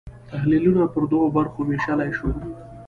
تحلیلونه پر دوو برخو وېشلای شو.